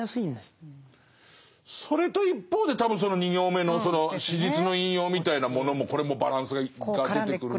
それと一方で多分その２行目の「史実の引用」みたいなものもこれもバランスが出てくるのかな。